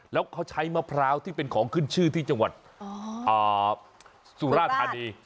แล้วเขาใช้มะพร้าวที่เป็นของขึ้นชื่อที่จังหวัดสุราธานี